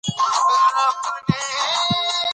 د واک ناوړه کارول په افغانستان کې شخړې او بې باورۍ زیاتوي